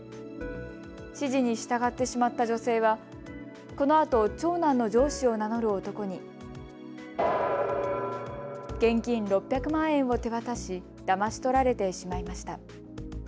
指示に従ってしまった女性はこのあと長男の上司を名乗る男に現金６００万円を手渡しだまし取られてしまいました。